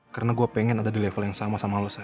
karena gue pengen ada di level yang sama sama lo sayang